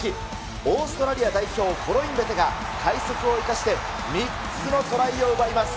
オーストラリア代表、コロインベテが、快足を生かして３つのトライを奪います。